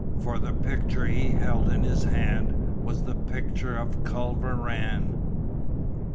For the picture he held in his hand was the picture of Culver Rann!